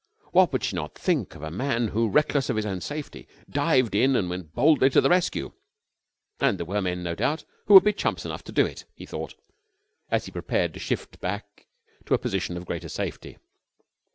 What would she not think of a man who, reckless of his own safety, dived in and went boldly to the rescue? And there were men, no doubt, who would be chumps enough to do it, he thought, as he prepared to shift back to a position of greater safety.